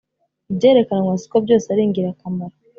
Ibyerekanwa sikobyose aringirakamaro.